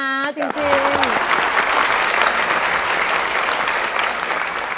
แล้วตอนนี้พี่พากลับไปในสามีออกจากโรงพยาบาลแล้วแล้วตอนนี้จะมาถ่ายรายการ